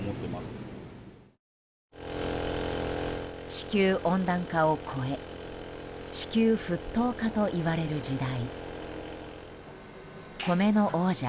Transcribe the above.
地球温暖化を超え地球沸騰化といわれる時代。